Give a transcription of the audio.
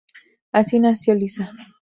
Así nació Lisa.